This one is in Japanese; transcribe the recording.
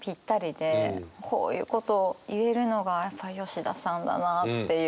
こういうことを言えるのがやっぱ吉田さんだなっていう。